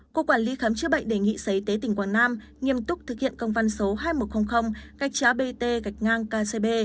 cục quản lý khám chữa bệnh đề nghị sở y tế tỉnh quảng nam nghiêm túc thực hiện công văn số hai nghìn một trăm linh bt kcb